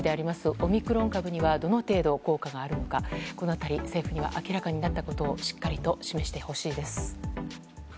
オミクロン株にはどの程度、効果があるのかこの辺り、政府には明らかになったことをしっかりと示してほしいです。